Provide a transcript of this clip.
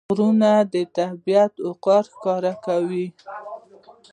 غرونه د طبیعت وقار ښکاره کوي.